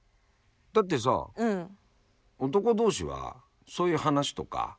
だってさ男同士はそういう話とか。